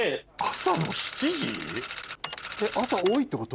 朝多いってこと？